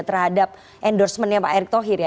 terhadap endorsementnya pak erick thohir ya